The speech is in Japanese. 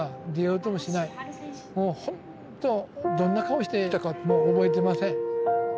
もうほんとどんな顔していたかも覚えてません。